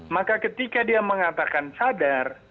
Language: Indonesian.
maka ketika dia mengatakan sadar